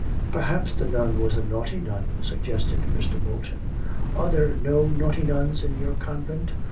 'Perhaps the nun was a naughty nun,' suggested Mr. Moulton. 'Are there no naughty nuns in your convent?'